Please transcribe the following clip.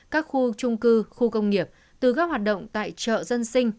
các khu trung cư khu công nghiệp từ các hoạt động tại chợ dân sinh